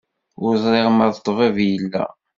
Ur ẓriɣ ma d ṭṭbib i yella.